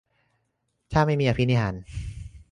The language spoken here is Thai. ถ้าไม่มีอภินิหาร